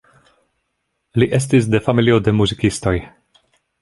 Li estis de familio de muzikistoj.